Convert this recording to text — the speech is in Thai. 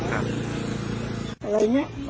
กลับบหนีเครทะนีกว่ะ